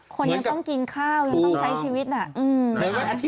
คนยังต้องกินข้าวยังต้องใช้ชีวิตน่ะ